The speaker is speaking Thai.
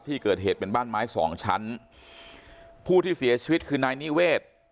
ที่เกิดเหตุเป็นบ้านไม้สองชั้นผู้ที่เสียชีวิตคือนายนิเวศ